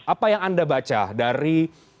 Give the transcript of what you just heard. apa yang anda baca dari